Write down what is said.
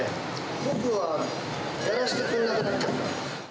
僕はやらせてくれなくなっちゃった。